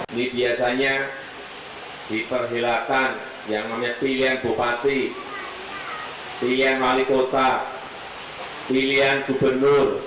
ini biasanya diperhilakan yang namanya pilihan bupati pilihan wali kota pilihan gubernur